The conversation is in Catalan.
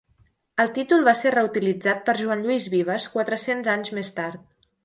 El títol va ser reutilitzat per Joan Lluís Vives quatre-cents anys més tard.